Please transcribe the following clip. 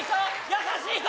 優しい人。